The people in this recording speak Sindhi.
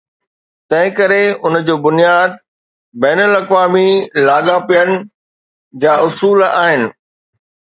تنهنڪري ان جو بنياد بين الاقوامي لاڳاپن جا اصول آهن.